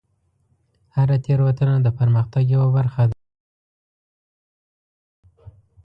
هره تیروتنه د پرمختګ یوه برخه ده، د هغې نه ویره مه کوئ.